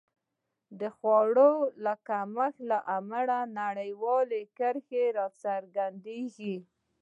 د خوړو کمښت له امله نرۍ کرښې راڅرګندېږي.